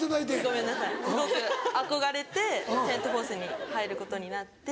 ごめんなさいすごく憧れてセント・フォースに入ることになって。